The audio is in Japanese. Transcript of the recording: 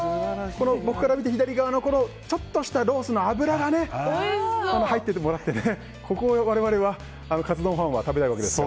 僕から見て左側のちょっとしたロースの脂が入っててもらってここを我々カツ丼ファンは食べたいわけです。